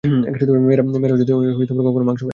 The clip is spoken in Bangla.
মেয়েরা কখনও মাংস খায় না।